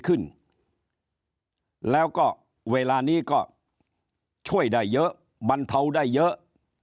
ขึ้นแล้วก็เวลานี้ก็ช่วยได้เยอะบรรเทาได้เยอะ